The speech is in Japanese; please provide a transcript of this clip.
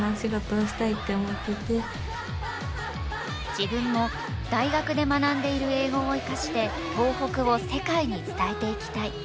「自分も大学で学んでいる英語を生かして東北を世界に伝えていきたい」。